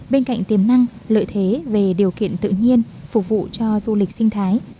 bên cạnh tiềm năng lợi thế về điều kiện tự nhiên phục vụ cho du lịch sinh thái